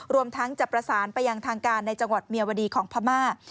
รวมทั้งจะประสานไปยังทางการในจังหวัดเมียวดีของพม่า